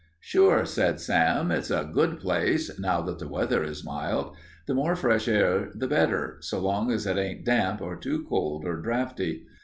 "Sure," said Sam. "It's a good place, now that the weather is mild. The more fresh air the better, so long as it ain't damp or too cold or draughty.